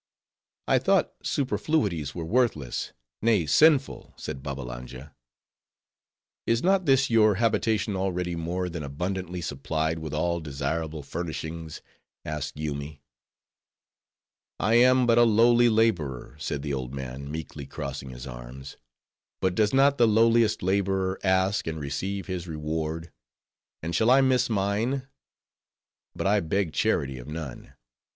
"I thought superfluities were worthless; nay, sinful," said Babbalanja. "Is not this your habitation already more than abundantly supplied with all desirable furnishings?" asked Yoomy. "I am but a lowly laborer," said the old man, meekly crossing his arms, "but does not the lowliest laborer ask and receive his reward? and shall I miss mine?—But I beg charity of none.